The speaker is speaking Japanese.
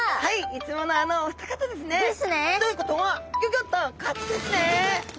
いつものあのお二方ですね。ですね。ということはギョギョッとこっちですね！